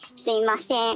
すいません。